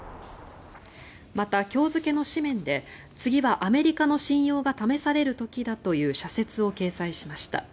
また今日付の紙面で次はアメリカの信用が試される時だという社説を掲載しました。